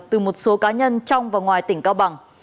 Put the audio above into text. từ một số cá nhân trong và ngoài tỉnh cao bằng